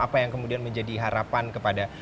apa yang kemudian menjadi harapan kepada